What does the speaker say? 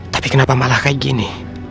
tapi kenapa malah kayak gini